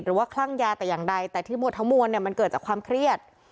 คลั่งยาแต่อย่างใดแต่ที่หมดทั้งมวลเนี่ยมันเกิดจากความเครียด